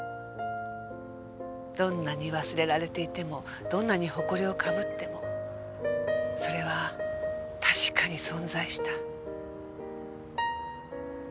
どんなに忘れられていてもどんなにほこりをかぶってもそれは確かに存在した。